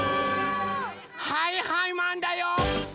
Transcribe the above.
はいはいマンだよ！